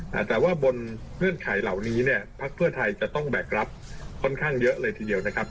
แต่ว่าบนเงื่อนไขเหล่านี้เนี่ยพักเพื่อไทยจะต้องแบกรับค่อนข้างเยอะเลยทีเดียวนะครับ